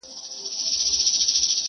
په کوټه کي به په غېږ کي د څښتن وو؛